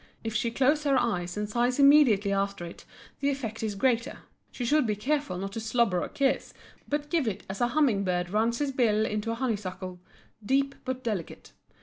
If she close her eyes and sighs immediately after it the effect is greater. She should be careful not to slobber a kiss but give it as a humming bird runs his bill into a honeysuckle, deep but delicate.